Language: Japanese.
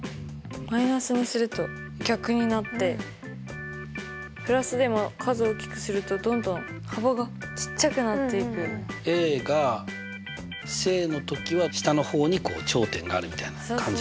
マイナスにすると逆になってプラスでも数大きくするとどんどん幅がちっちゃくなっていく。が正の時は下の方にこう頂点があるみたいな感じだよね。